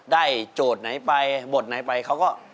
โจทย์ไหนไปบทไหนไปเขาก็